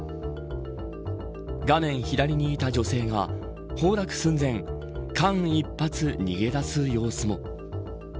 画面左にいた女性が崩落寸前間一髪逃げ出す様子も。